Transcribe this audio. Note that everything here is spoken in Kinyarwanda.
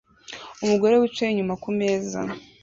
umugore wicaye inyuma kumeza